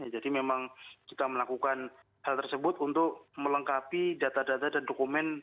jadi memang kita melakukan hal tersebut untuk melengkapi data data dan dokumen